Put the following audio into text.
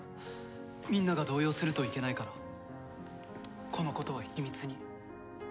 みんなが動揺するといけないからこのことは秘密に。